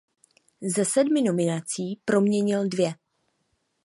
Ze sedmi nominací proměnil dvě.